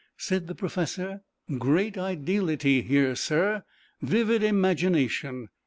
Said the Professor, " Great Ideality here, sir, vivid Imagina tion.